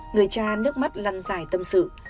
người cha nước mắt lăn dài tâm sự